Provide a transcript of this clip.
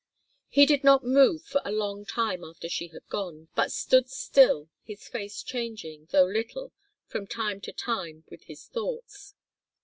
He did not move for a long time after she had gone, but stood still, his face changing, though little, from time to time, with his thoughts.